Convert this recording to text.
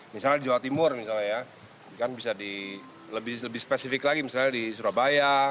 misalnya di jawa timur bisa lebih spesifik lagi misalnya di surabaya